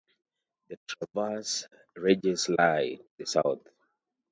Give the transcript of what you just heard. The Transverse Ranges lie to the south.